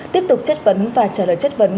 tiếp tục chất vấn và trả lời chất vấn